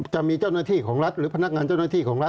จะมีเจ้าหน้าที่ของรัฐหรือพนักงานเจ้าหน้าที่ของรัฐ